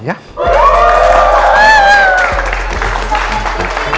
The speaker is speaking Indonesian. tengok acara itu